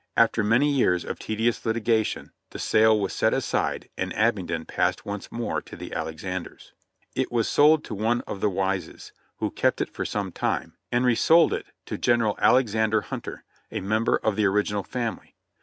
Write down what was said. After many years of tedious litigation the sale was set aside and Abingdon passed once more to the Alexanders. It was sold to one of the Wises, who kept it for some time, and resold it to General Alexander Hunter, a member of the original family.